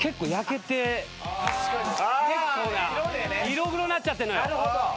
色黒になっちゃってんのよ。